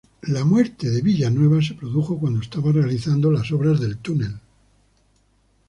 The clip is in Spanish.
La muerte de Villanueva se produjo cuando estaba realizando las obras del túnel.